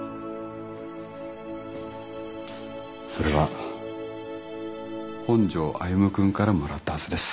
それは本庄歩君からもらったはずです。